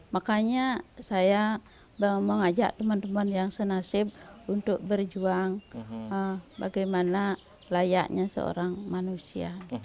makanya saya mengajak teman teman yang senasib untuk berjuang bagaimana layaknya seorang manusia